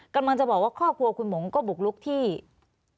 กำลังจะบอกว่าครอบครัวคุณหมงก็บุกลุกที่